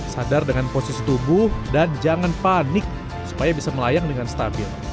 sadar dengan posisi tubuh dan jangan panik supaya bisa melayang dengan stabil